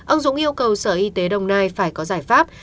ông dũng yêu cầu sở y tế đồng nai phải có giải pháp